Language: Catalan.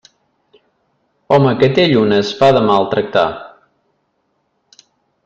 Home que té llunes, fa de mal tractar.